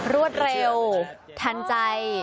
รวดเร็วทันใจ